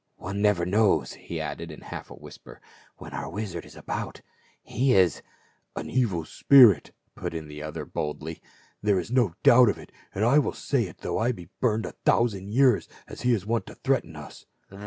"One never knows," he added in a half whisper, "when our wizard is about, he is —" "An evil spirit," put in the other boldly, "there is no doubt of it, and I will say it though I be burned a thousand years, as he is wont to threaten us."